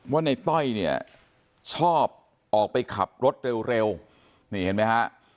ว่าในต้อยเนี่ยชอบออกไปขับรถเร็วนี่เห็นไหมฮะ